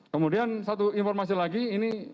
kemudian satu informasi lagi ini